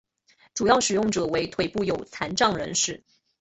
主要使用者为腿部有残障人士。